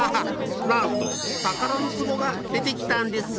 なんとたからのつぼがでてきたんです！